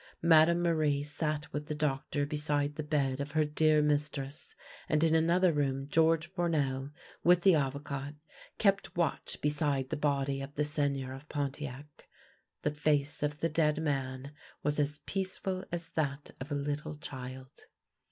Madame Marie sat with the doctor beside the bed of her dear mistress, and in another room George Four nel, with the Avocat, kept watch beside the body of the Seigneur of Pontiac. The face of the dead man was as peaceful as that of a little child.